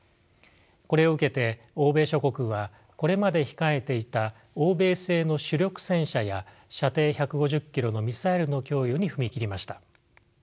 これを受けて欧米諸国はこれまで控えていた欧米製の主力戦車や射程１５０キロのミサイルの供与に踏み切りました。